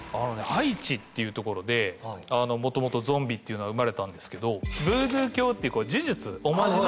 ハイチっていう所でもともとゾンビっていうのは生まれたんですけどブードゥー教って呪術おまじないみたいな。